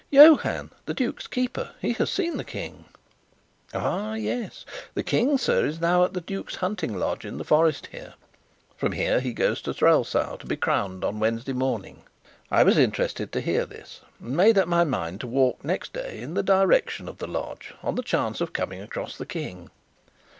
"Johann, the duke's keeper. He has seen the King." "Ah, yes. The King, sir, is now at the duke's hunting lodge in the forest here; from here he goes to Strelsau to be crowned on Wednesday morning." I was interested to hear this, and made up my mind to walk next day in the direction of the lodge, on the chance of coming across the King.